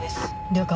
了解。